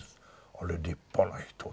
あれ立派な人だね。